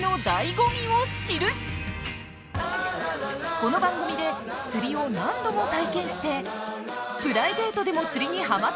この番組で釣りを何度も体験してプライベートでも釣りにハマってしまったという滝沢さん。